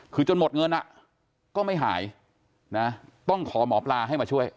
คือจนหมดเงินก็ไม่หายนะต้องขอหมอปลาให้มาช่วย